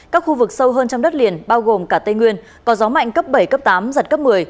các khu vực sâu hơn trong đất liền bao gồm cả tây nguyên có gió mạnh cấp bảy cấp tám giật cấp một mươi